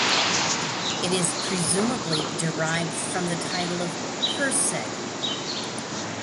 It is presumably derived from the title of "Herceg".